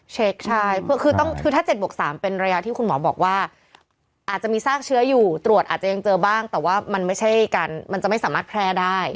เช็คใช่คือถ้า๗บวก๓เป็นระยะที่คุณหมอบอกว่าอาจจะมีซากเชื้ออยู่ตรวจอาจจะยังเจอบ้างแต่ว่ามันไม่ใช่การมันจะไม่สามารถแพร่ได้